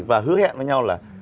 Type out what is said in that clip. và hứa hẹn với nhau là